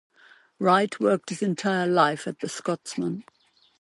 Wright worked his entire life at "The Scotsman".